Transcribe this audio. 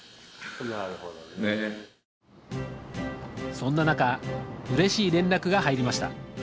そんな中うれしい連絡が入りました。